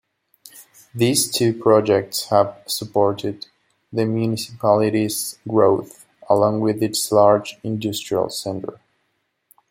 These two projects have supported the municipality's growth, along with its large industrial centre.